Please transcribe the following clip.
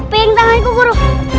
pengang tanganku guru